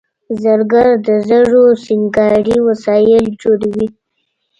زرګر د زرو سینګاري وسایل جوړوي